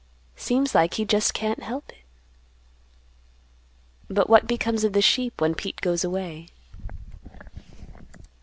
Seems like he just can't help it." "But what becomes of the sheep when Pete goes away?"